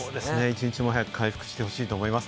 一日も早く回復してほしいと思います。